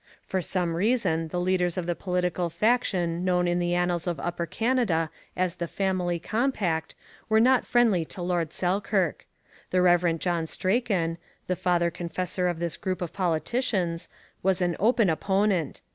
For some reason the leaders of the political faction known in the annals of Upper Canada as the Family Compact were not friendly to Lord Selkirk; the Rev. John Strachan, the father confessor of this group of politicians, was an open opponent.